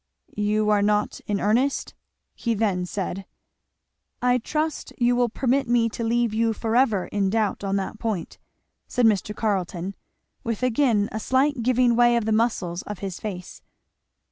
"You are not in earnest?" he then said. "I trust you will permit me to leave you forever in doubt on that point," said Mr. Carleton, with again a slight giving way of the muscles of his face.